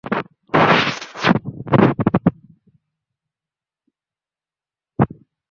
Saiful bus থেকে নেমে হাত দিয়ে সন্তানের শরীরের আগুন নেভানোর চেষ্টা করেন।